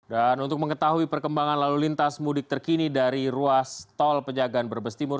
dan untuk mengetahui perkembangan lalu lintas mudik terkini dari ruas tol penjagaan berbestimur